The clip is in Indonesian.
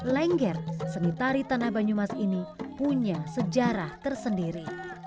lengger seni tari tanah banyumas ini punya sejarah tersendiri